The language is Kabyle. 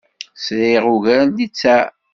Sriɣ ugar n littseɛ.